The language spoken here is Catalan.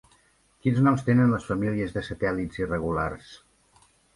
Quins noms tenen les famílies de satèl·lits irregulars?